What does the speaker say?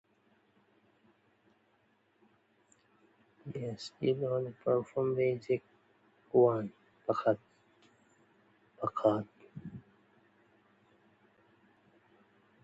Yes, it's on a permanent basis.